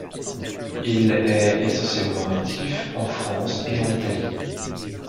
Il est essentiellement actif en France et en Italie.